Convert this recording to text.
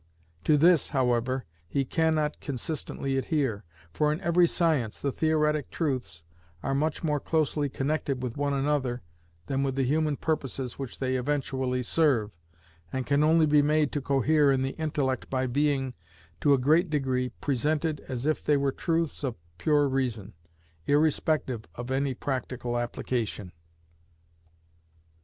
To this, however, he cannot consistently adhere; for, in every science, the theoretic truths are much more closely connected with one another than with the human purposes which they eventually serve, and can only be made to cohere in the intellect by being, to a great degree, presented as if they were truths of pure reason, irrespective of any practical application.